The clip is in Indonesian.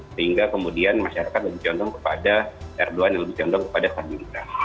sehingga kemudian masyarakat lebih condong kepada erdogan lebih condong kepada sanjurita